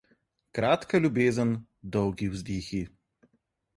Kratka ljubezen, dolgi vzdihi.